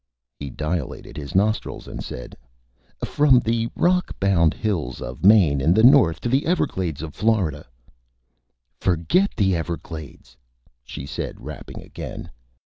He dilated his Nostrils and said: "From the Rock Bound Hills of Maine in the North to the Everglades of Florida " "Forget the Everglades," she said, rapping again.